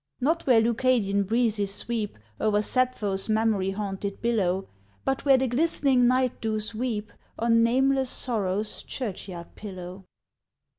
Not where Leucadian breezes sweep O'er Sappho's memory haunted billow, But where the glistening night dews weep On nameless sorrow's churchyard pillow.